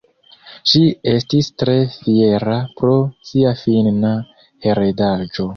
Ŝi estis tre fiera pro sia finna heredaĵo.